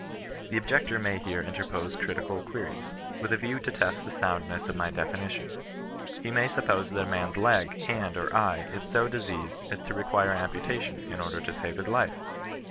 The ob jector may here interpose critical queries, with a view to test the soundness of my definition. He may suppose that a man's leg, hand, or eye, is so diseased as to re quire amputation, in order to save his life.